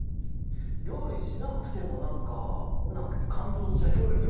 料理しなくても何か感動しちゃいます。